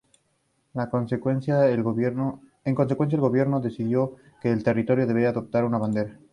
En consecuencia, el gobierno decidió que el territorio debía adoptar una bandera.